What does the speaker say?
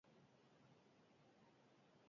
Oraingoz, baina, ez dago baieztapen ofizialik.